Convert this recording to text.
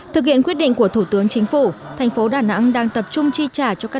thực hiện quyết định của thủ tướng chính phủ thành phố đà nẵng đang tập trung chi trả cho các